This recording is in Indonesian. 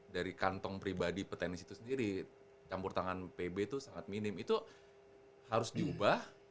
dari kantong pribadi petenis itu sendiri campur tangan pb itu sangat minim itu harus diubah